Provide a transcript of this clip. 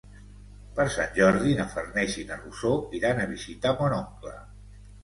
Per Sant Jordi na Farners i na Rosó iran a visitar mon oncle.